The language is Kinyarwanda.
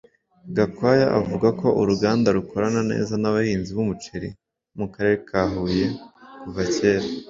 Gakwaya avuga ko uruganda rukorana neza n’abahinzi b’umuceri bo mu Karere ka Huye kuva kera